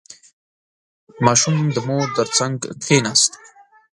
• ماشوم د مور تر څنګ کښېناست.